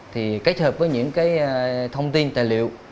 thì kết hợp với những thông tin tài liệu